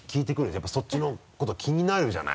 やっぱりそっちのこと気になるじゃない。